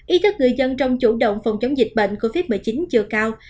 ý thức người dân trong chủ động phòng chống dịch bệnh covid một mươi chín chưa cao